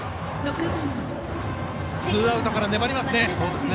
ツーアウトから粘りますね。